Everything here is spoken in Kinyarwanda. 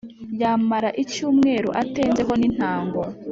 yamara icyumweru atenze ho n’intango